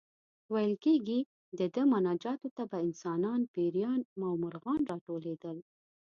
ویل کېږي د ده مناجاتو ته به انسانان، پېریان او مرغان راټولېدل.